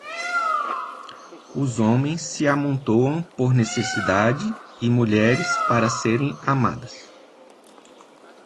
Os homens se amontoam por necessidade e mulheres, para serem amadas.